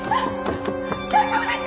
大丈夫ですか！？